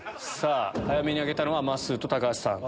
早めに挙げたのはまっすーと橋さん。